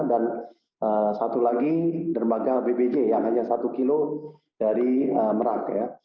dan satu lagi dermaga bbj yang hanya satu kilo dari merak ya